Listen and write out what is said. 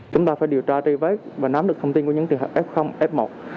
chúng ta phải điều tra truy vết và nắm được thông tin của những trường hợp f f một